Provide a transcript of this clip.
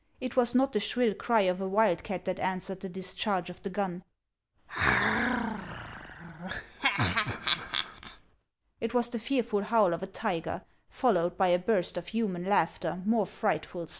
It was not the shrill cry of a wildcat that answered the dis charge of the gun; it was the fearful howl of a tiger, followed by a burst of human laughter more frightful still.